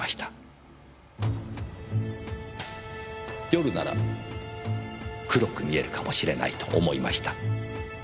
夜なら黒く見えるかもしれないと思いました。